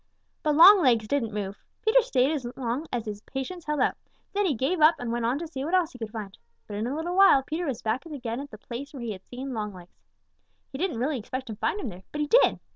But Longlegs didn't move. Peter stared as long as his patience held out. Then he gave up and went on to see what else he could find. But in a little while Peter was back again at the place where he had seen Longlegs. He didn't really expect to find him there, but he did.